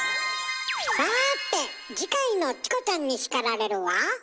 さて次回の「チコちゃんに叱られる」は？